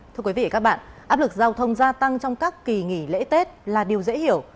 thưa quý vị và các bạn áp lực giao thông gia tăng trong các kỳ nghỉ lễ tết là điều dễ hiểu